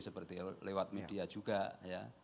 seperti lewat media juga ya